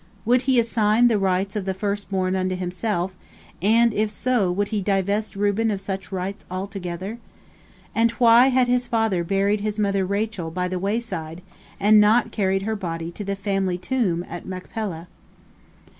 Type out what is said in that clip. Would he assign the rights of the first born unto himself, and, if so, would he divest Reuben of such rights altogether? And why had his father buried his mother Rachel by the wayside, and not carried her body to the family tomb at Machpelah?